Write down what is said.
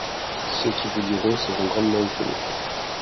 Ceux qui vous liront seront grandement étonnés.